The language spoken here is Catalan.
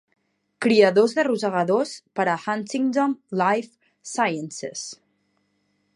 Criadors de rosegadors per a Huntingdon Life Sciences.